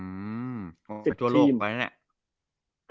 อืมมมมมมมมไปทัวร์โลกไปเนี่ย๑๐ทีม